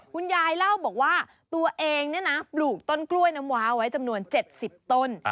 คุณยายเล่าบอกว่าตัวเองเนี่ยนะปลูกต้นกล้วยน้ำว้าไว้จำนวน๗๐ต้น